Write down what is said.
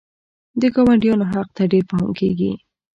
د ګاونډیانو حق ته ډېر پام کیږي.